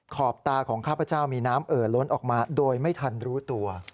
ขอบตาของข้าพเจ้ามีน้ำเอ่อล้นออกมาโดยไม่ทันรู้ตัว